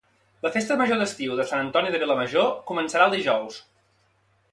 La Festa Major d'estiu de Sant Antoni de Vilamajor començarà el dijous